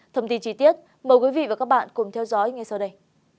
thông tin chi tiết mời quý vị và các bạn cùng theo dõi ngay sau đây